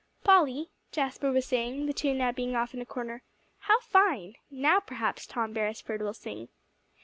"Polly," Jasper was saying, the two now being off in a corner, "how fine! Now, perhaps Tom Beresford will sing."